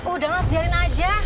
udah mas biarin aja